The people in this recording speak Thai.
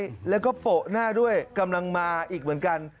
ใช่แล้วก็โปะหน้าด้วยกำลังมาอีกเหมือนกัน